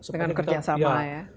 dengan kerja sama ya